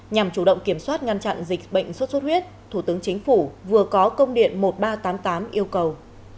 nhằm chủ động kiểm soát ngăn chặn dịch bệnh xuất xuất huyết thủ tướng chính phủ vừa có công điện một nghìn ba trăm tám mươi tám yêu cầu